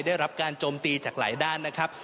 ได้รับการโจมตีจากหลายด้านนะครับ